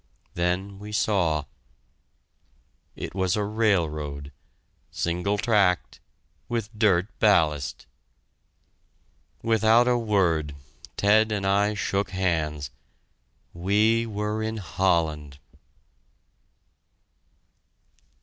Then we saw It was a railroad, single tracked, with dirt ballast! Without a word, Ted and I shook hands! We were in Holland!